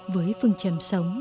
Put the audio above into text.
với phương trầm sống